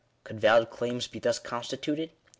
Could valid claims be thus consti tuted